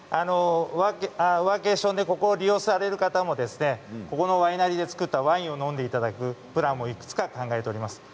ワーケーションでここを利用される方もこのワイナリーで造ったワインを飲んでいただくプランも考えています。